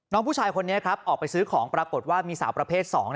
ผู้ชายคนนี้ครับออกไปซื้อของปรากฏว่ามีสาวประเภท๒